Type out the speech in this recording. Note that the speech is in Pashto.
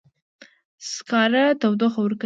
سکاره تودوخه ورکوي